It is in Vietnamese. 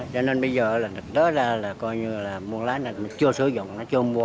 cho nên bây giờ là thực tế ra là coi như là mua lái này chưa sử dụng nó chưa mua